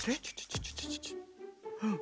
うん。